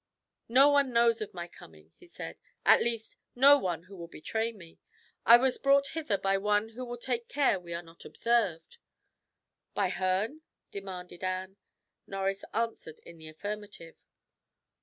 "No one knows of my coming," he said; "at least, no one who will betray me. I was brought hither by one who will take care we are not observed." "By Herne?" demanded Anne. Norris answered in the affirmative.